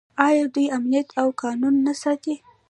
آیا دوی امنیت او قانون نه ساتي؟